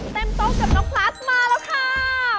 โต๊ะกับน้องพลัดมาแล้วค่ะ